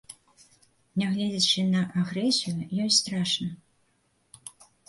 Нягледзячы на агрэсію, ёй страшна.